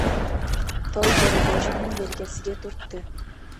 Toy jo‘raboshining yelkasiga turtdi.